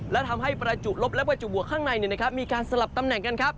และทำให้ประจุลบและประจุบวกข้างในมีการสลับตำแหน่งกันครับ